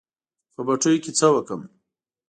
په پټیو کې څه وکړم.